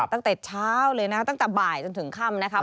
ตั้งแต่เช้าเลยนะตั้งแต่บ่ายจนถึงค่ำนะคะ